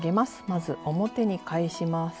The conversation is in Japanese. まず表に返します。